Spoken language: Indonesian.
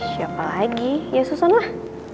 siapa lagi ya susah lah